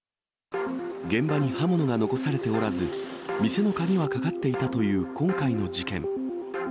現場に刃物が残されておらず、店の鍵はかかっていたという今回の事件。